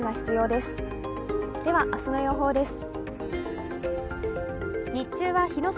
では明日の予報です。